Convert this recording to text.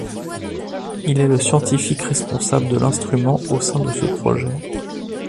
Il est le scientifique responsable de l’instrument au sein de ce projet.